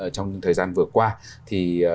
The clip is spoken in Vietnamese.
trong thời gian vừa qua thì